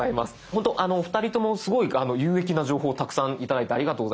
ほんとお二人ともすごい有益な情報をたくさん頂いてありがとうございます。